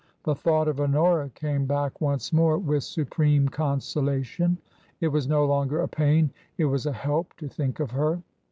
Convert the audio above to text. The thought of Honora came back once more with supreme consolation ; it was no longer a pain, it was a help to think of her.